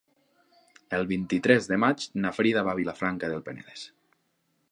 El vint-i-tres de maig na Frida va a Vilafranca del Penedès.